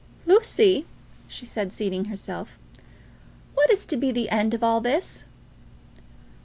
"Lucy," she said, seating herself, "what is to be the end of all this?"